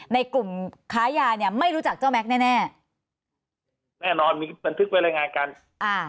ในกลุ่มค้ายาเนี่ยไม่รู้จักเจ้าแม็กซ์แน่แน่แน่นอนมีบันทึกไว้รายงานกันอ่า